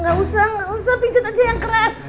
nggak usah nggak usah pingset aja yang keras